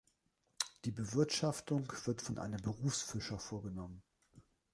Die Bewirtschaftung wird von einem Berufsfischer vorgenommen.